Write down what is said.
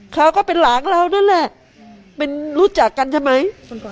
เขาก็เป็นหลานเรานั่นแหละเป็นรู้จักกันใช่ไหม